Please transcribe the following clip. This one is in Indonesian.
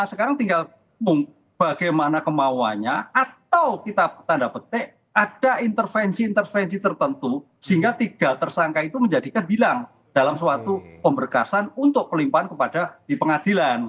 sekarang tinggal bagaimana kemauannya atau kita tanda petik ada intervensi intervensi tertentu sehingga tiga tersangka itu menjadikan bilang dalam suatu pemberkasan untuk pelimpahan kepada di pengadilan